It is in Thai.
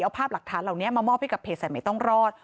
เอาภาพหลักฐานเหล่านี้มามอบให้กับเพจสายใหม่ต้องรอด